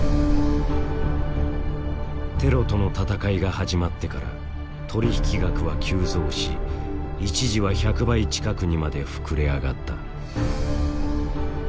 テロとの戦いが始まってから取引額は急増し一時は１００倍近くにまで膨れ上がった。